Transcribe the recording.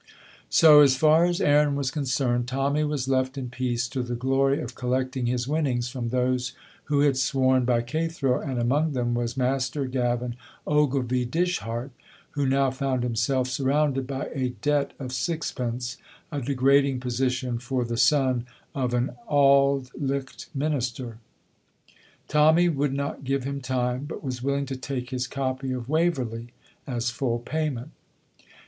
So, as far as Aaron was concerned, Tommy was left in peace to the glory of collecting his winnings from those who had sworn by Cathro, and among them was Master Gavin Ogilvy Dishart, who now found himself surrounded by a debt of sixpence, a degrading position for the son of an Auld Licht minister. Tommy would not give him time, but was willing to take his copy of "Waverley" as full payment.